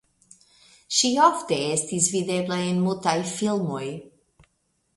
Ŝi ofte estis videbla en mutaj filmoj.